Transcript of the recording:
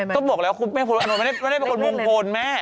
ต้องบอกแล้วว่าไม่ได้เป็นคนมุมโพนแม่